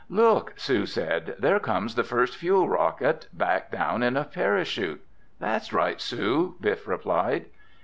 "Look," Sue said, "there comes the first fuel rocket back down in a parachute." "That's right, Sue," Biff replied.